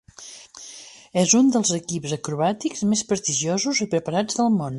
És un dels equips acrobàtics més prestigiosos i preparats del món.